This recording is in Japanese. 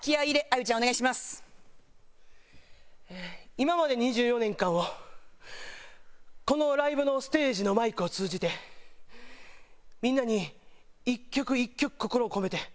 今まで２４年間をこのライブのステージのマイクを通じてみんなに１曲１曲心を込めて走っていきます。